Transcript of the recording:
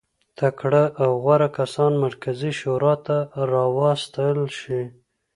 تکړه او غوره کسان مرکزي شورا ته راوستل شي.